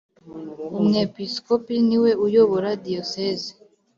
Umwepiskopi niwe uyobora Diyoseze .